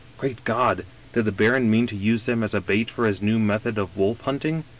Great God 1 did the baron mean to use them as a bait for his new method of wolf hunting?